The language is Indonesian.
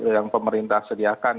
yang pemerintah sediakan